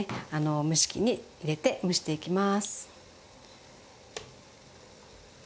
蒸し器に入れて蒸していきます。